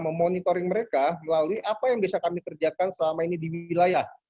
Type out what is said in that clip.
memonitoring mereka melalui apa yang bisa kami kerjakan selama ini di wilayah